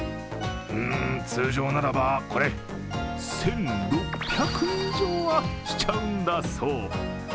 通常ならばこれ、１６００円以上はしちゃうんだそう。